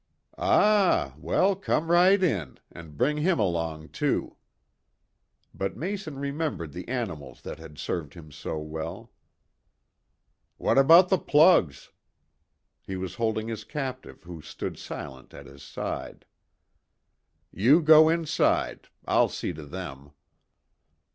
"Ah! Well, come right in and bring him along too." But Mason remembered the animals that had served him so well. "What about the 'plugs'?" He was holding his captive, who stood silent at his side. "You go inside. I'll see to them."